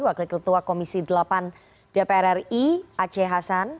wakil ketua komisi delapan dpr ri aceh hasan